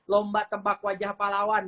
lomba tembak wajah pahlawan